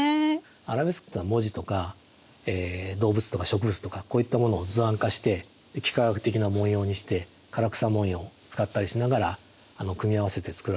アラベスクとは文字とか動物とか植物とかこういったものを図案化して幾何学的な模様にして唐草模様を使ったりしながら組み合わせて作られたものですね。